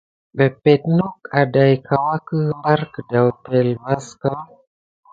Eppipe nok adaïka wake bari kedaou epəŋle vaka.